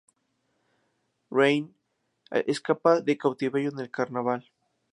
Rayne escapa de cautiverio en el carnaval.